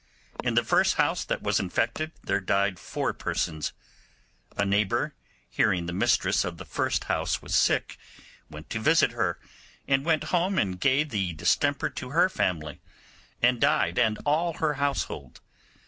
In the first house that was infected there died four persons. A neighbour, hearing the mistress of the first house was sick, went to visit her, and went home and gave the distemper to her family, and died, and all her household.